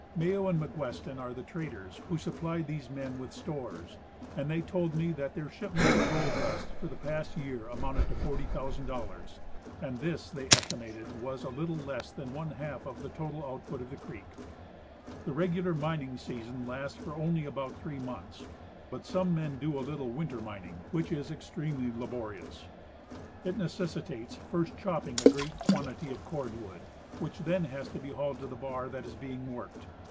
Mayo and McGuesten are the traders who supply these men with stores, and they told me that their shipments of gold dust for the past year amounted to $40,000, and this, they estimated, was a little less than one half of the total output of the creek. The regular mining season lasts for only about three months, but some men do a little winter mining, which is extremely laborious. It necessitates first chopping a great quantity of cord wood, Avhich then has to be hauled to the bar that is being worked.